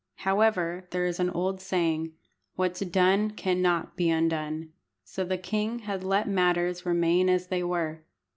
However, there is an old saying, "What's done cannot be undone," so the king had to let matters remain as they were.